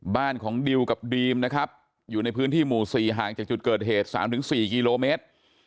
บ้านของดิวกับดีมนะครับอยู่ในพื้นที่หมู่๔ห่างจากจุดเกิดเหตุ๓๔กิโลเมตร